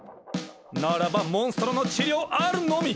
ならばモンストロの治療あるのみ！